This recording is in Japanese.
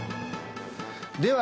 では